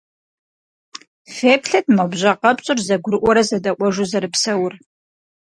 Феплъыт, мо бжьэ къэпщӀыр зэгурыӀуэрэ зэдэӀуэжу зэрыпсэур.